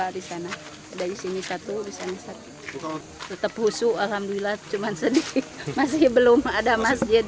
di sana dari sini satu di sana tetap husu alhamdulillah cuman sedikit masih belum ada masjid